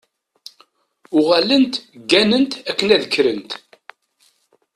Uɣalent gganent akken ad kkrent.